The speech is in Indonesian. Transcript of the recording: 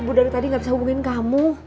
bu dari tadi gak bisa hubungin kamu